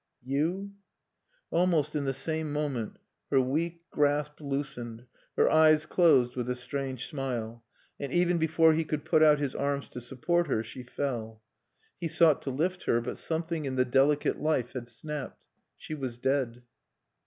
_" Almost in the same moment her weak grasp loosened, her eyes closed with a strange smile; and even before he could put out his arms to support her, she fell. He sought to lift her. But something in the delicate life had snapped. She was dead.